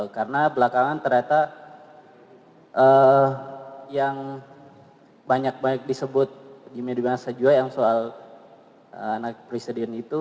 karena belakangan ternyata yang banyak banyak disebut di media di mana saja yang soal presiden itu